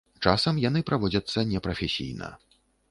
Часам яны праводзяцца непрафесійна.